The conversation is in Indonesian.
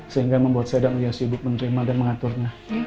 sehingga membuat saya dan beliau sibuk menerima dan mengaturnya